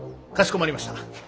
かしこまりました。